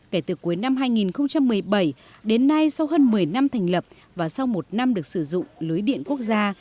kể từ cuối năm hai nghìn một mươi bảy đến nay sau hơn một mươi năm thành lập và sau một năm được sử dụng lưới điện quốc gia